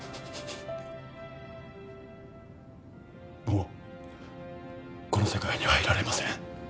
もうこの世界にはいられません。